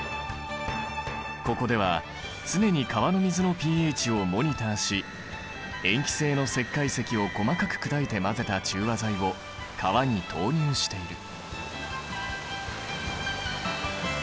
ここでは常に川の水のｐＨをモニターし塩基性の石灰石を細かく砕いて混ぜた中和剤を川に投入している。